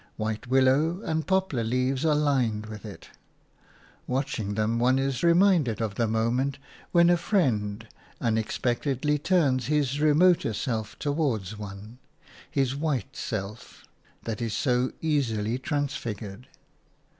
White willow and poplar leaves are lined with it; watching them, one is reminded of the moment when a friend unexpectedly turns his remoter self toward one – his white self that is so easily transfigured.